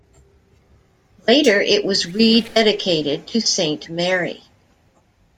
Later it was re-dedicated to Saint Mary.